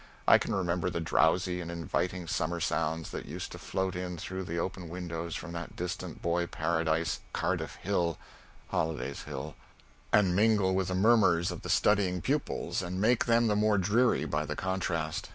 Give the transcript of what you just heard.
I can remember the drowsy and inviting summer sounds that used to float in through the open windows from that distant boy Paradise, Cardiff Hill (Holliday's Hill), and mingle with the murmurs of the studying pupils and make them the more dreary by the contrast.